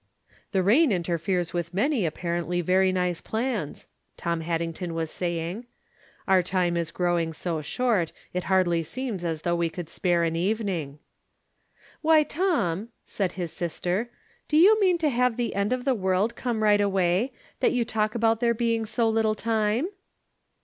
" This rain interferes with many apparently very nice plans," Tom Haddington was saying. " Our time is growing so short it hardly seems as though we could spare an evening." From Different Standpoints. 275 " Why, Tom," said his sister, " do you mean to have the end of the world come right away, that you talk about there being so little time